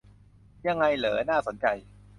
ยังไงเหรอ น่าสนใจ